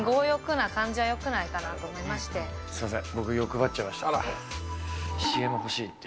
すみません。